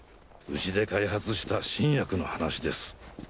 うちで開発した新薬の話です。